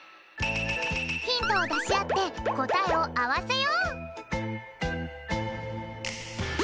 ヒントをだしあってこたえをあわせよう！